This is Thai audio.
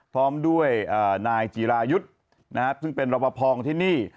พร้อมด้วยนายจีรายุทธ์ซึ่งเป็นรบพองที่นี่